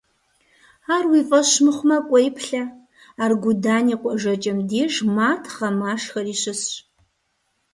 Ар уи фӀэщ мыхъумэ, кӀуэи, плъэ: Аргудан и къуажэкӀэм деж матхъэ-машхэри щысщ.